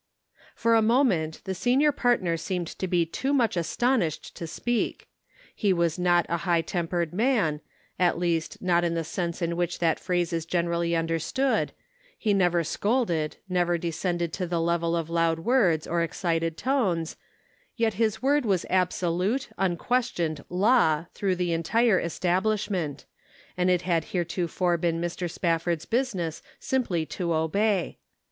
" For a moment the senior partner seemed to be too much astonished to speak. He was not a high tempered man ; at least not in the sense in which that phrase is generally under stood ; he never scolded, never descended to the level of loud words, or excited tones ; yet his word was absolute, unquestioned law, through the entire establishment ; and it had heretofore been Mr. Spaffovd's business simply Measured by Trial. 341 to obey.